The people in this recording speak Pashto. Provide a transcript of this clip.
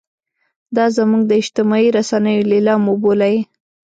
دا زموږ د اجتماعي رسنیو نیلام وبولئ.